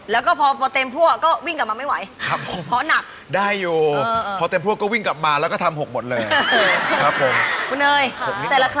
และนี่คือพั่วทองคำอันทรงเกียจ